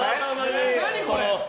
何これ！